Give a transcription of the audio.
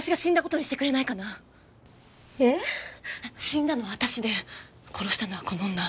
死んだのは私で殺したのはこの女。